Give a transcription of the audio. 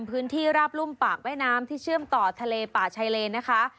พื้นที่ราบรุ่มปากแว่น้ำที่เชื่อมต่อทะเลป่าชายเลนะคะ